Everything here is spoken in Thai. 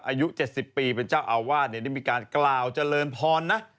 อายุ๗๐ปีเป็นเจ้าอาวาสได้มีการกล่าวเจริญพรนะ